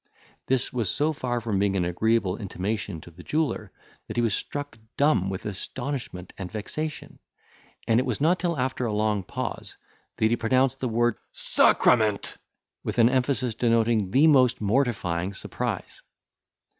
This was so far from being an agreeable intimation to the jeweller, that he was struck dumb with astonishment and vexation, and it was not till after a long pause that he pronounced the word Sacrament! with an emphasis denoting the most mortifying surprise.